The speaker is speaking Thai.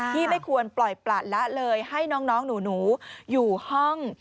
ไม่ควรปล่อยประละเลยให้น้องหนูอยู่ห้อง